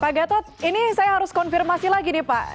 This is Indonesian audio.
pak gatot ini saya harus konfirmasi lagi nih pak